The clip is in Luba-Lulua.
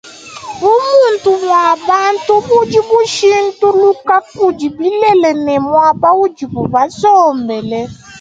Bumuntu bua bantu budi bushintuluka kudi bilele ne muaba udibu basombele.